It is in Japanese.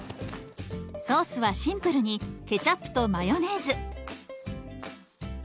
ソースはシンプルにケチャップとマヨネーズ。